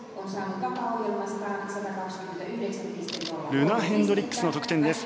ルナ・ヘンドリックスの得点です。